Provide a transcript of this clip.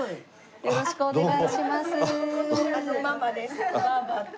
よろしくお願いします。